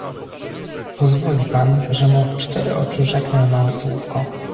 "Pozwoli pan, że mu w cztery oczy rzeknę małe słówko."